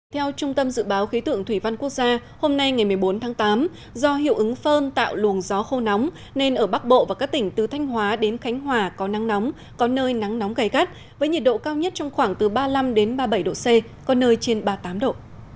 theo trung tâm dự báo khí tượng thủy văn quốc gia hôm nay ngày một mươi bốn tháng tám do hiệu ứng phơn tạo luồng gió khô nóng nên ở bắc bộ và các tỉnh từ thanh hóa đến khánh hòa có nắng nóng có nơi nắng nóng gai gắt với nhiệt độ cao nhất trong khoảng từ ba mươi năm ba mươi bảy độ c có nơi trên ba mươi tám độ